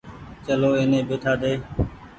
چلو ايني ٻيٺآ ۮي۔